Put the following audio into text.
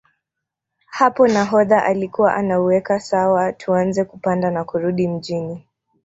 Hapo nahodha alikuwa anauweka sawa tuanze kupanda na kurudi Mjini